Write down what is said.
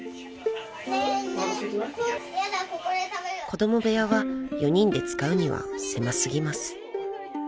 ［子供部屋は４人で使うには狭過ぎます］